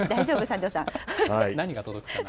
何が届くかな。